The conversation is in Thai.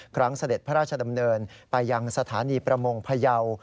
เสด็จพระราชดำเนินไปยังสถานีประมงพยาว